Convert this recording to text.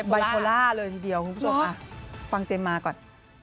บายโพล่าเลยทีเดียวคุณผู้ชมฟังเจมมาก่อน